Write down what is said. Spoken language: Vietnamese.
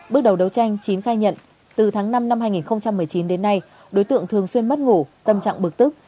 bước đầu đấu tranh chín khai nhận từ tháng năm năm hai nghìn một mươi chín đến nay đối tượng thường xuyên mất ngủ tâm trạng bực tức